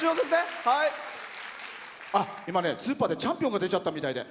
スーパーでチャンピオンが出ちゃったみたいで。